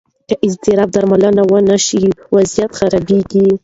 که اضطراب درملنه ونه شي، وضعیت خرابېږي.